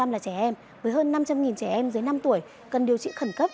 ba mươi là trẻ em với hơn năm trăm linh trẻ em dưới năm tuổi cần điều trị khẩn cấp